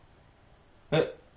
えっ？